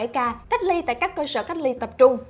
bốn tám trăm ba mươi bảy ca cách ly tại các cơ sở cách ly tập trung